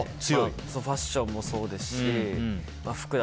ファッションもそうですし。